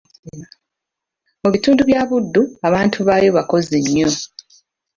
Mu bitundu bya Buddu abantu baayo bakozzi nyo.